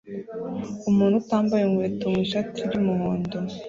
Umuntu utambaye inkweto mu ishati y'umuhondo